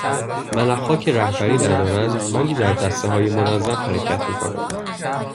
ملخها که رهبری ندارند ولی در دستههای منظم حرکت میکنند